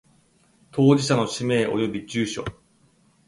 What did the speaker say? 当事者の氏名及び住所